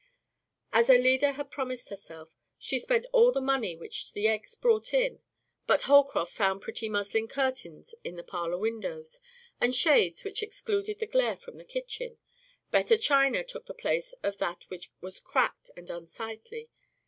As Alida had promised herself, she spent all the money which the eggs brought in, but Holcroft found pretty muslin curtains at the parlor windows, and shades which excluded the glare from the kitchen. Better china took the place of that which was cracked and unsightly.